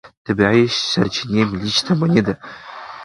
طبیعي سرچینې ملي شتمني ده.